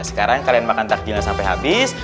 sekarang kalian makan takjilnya sampai habis